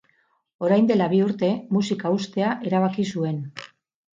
Orain dela bi urte, musika uztea erabaki zuen.